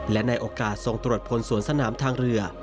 และในโอกาสทรงตรวจพลสวนสนามทางเรือ